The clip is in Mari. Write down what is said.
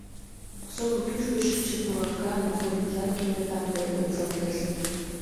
Сово кӱжгыт шичше пуракан корныжат кинде там дене ӱпшалтеш.